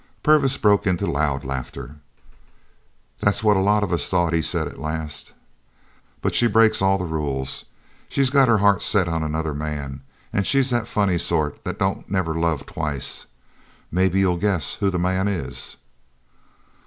Purvis broke into loud laughter. "That's what a lot of us thought," he said at last, "but she breaks all the rules. She's got her heart set on another man, an' she's that funny sort that don't never love twice. Maybe you'll guess who the man is?"